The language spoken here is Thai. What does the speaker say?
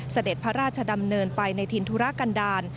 เสด็จพระราชดำเนินไปในถิ่นธุระกันดาล